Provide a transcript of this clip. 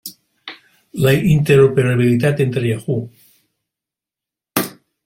La interoperabilitat entre Yahoo!